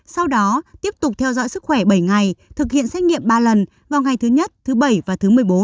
sau đó tiếp tục theo dõi sức khỏe bảy ngày thực hiện xét nghiệm ba lần vào ngày thứ nhất thứ bảy và thứ một mươi bốn